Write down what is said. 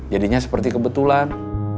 jadinya seperti kebetulan